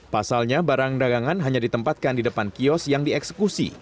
pasalnya barang dagangan hanya ditempatkan di depan kios yang dieksekusi